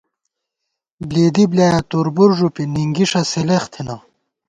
بلېدی بۡلیایَہ تُربُر ݫُوپی نِنگِݭہ سِلېخ تھنہ